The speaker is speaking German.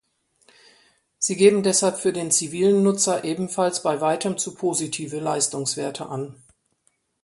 Sie geben deshalb für den zivilen Nutzer ebenfalls bei weitem zu positive Leistungswerte an.